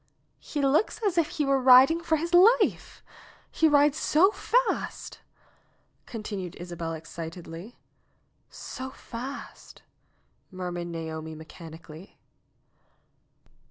"He looks as if he were riding for his life ! He rides so fast !" continued Isabel excitedly. "So fast !" murmured Naomi mechanically.